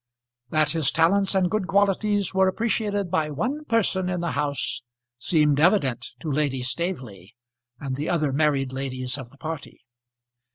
That his talents and good qualities were appreciated by one person in the house, seemed evident to Lady Staveley and the other married ladies of the party.